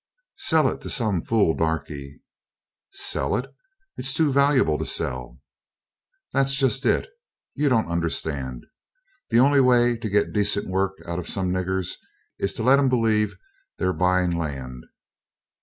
"Sell it to some fool darkey." "Sell it? It's too valuable to sell." "That's just it. You don't understand. The only way to get decent work out of some niggers is to let them believe they're buying land.